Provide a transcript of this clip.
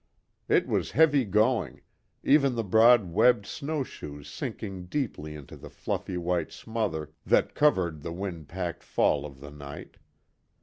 It was heavy going, even the broad webbed snowshoes sinking deeply into the fluffy white smother that covered the wind packed fall of the night.